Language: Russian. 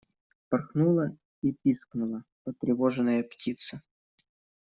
Вспорхнула и пискнула потревоженная птица.